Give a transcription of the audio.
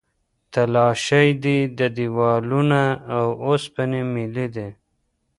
تلاشۍ دي، دیوالونه او اوسپنې میلې دي.